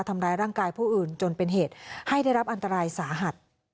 ทำร้ายร่างกายผู้อื่นจนเป็นเหตุให้ได้รับอันตรายสาหัส